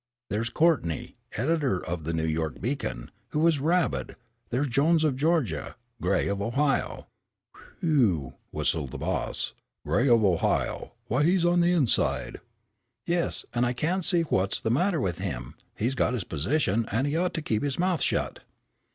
There's Courtney, editor of the New York Beacon, who is rabid; there's Jones of Georgia, Gray of Ohio " "Whew," whistled the boss, "Gray of Ohio, why he's on the inside." "Yes, and I can't see what's the matter with him, he's got his position, and he ought to keep his mouth shut."